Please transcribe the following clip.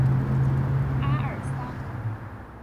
阿尔桑。